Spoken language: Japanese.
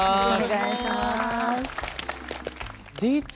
お願いします。